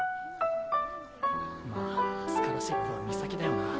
まあスカラシップは海咲だよな。